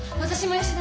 吉田！